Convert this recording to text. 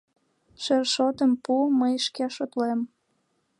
Шершотым пу, мый шке шотлем!..